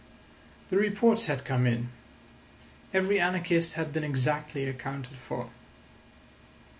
The reports had come in: every anarchist had been exactly accounted for.